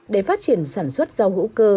để phát triển sản xuất rau hữu cơ